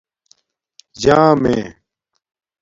جݳمیے